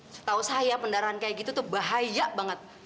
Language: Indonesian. setahu saya kendaraan kayak gitu tuh bahaya banget